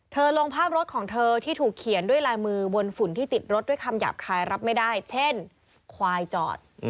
ลงภาพรถของเธอที่ถูกเขียนด้วยลายมือบนฝุ่นที่ติดรถด้วยคำหยาบคายรับไม่ได้เช่นควายจอด